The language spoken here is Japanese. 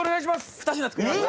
２品作りました。